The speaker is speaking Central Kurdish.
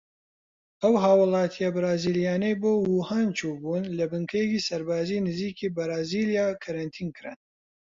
ئەو هاوڵاتیە بەرازیلیانەی بۆ ووهان چوو بوون لە بنکەیەکی سەربازی نزیکی بەرازیلیا کەرەنتین کران.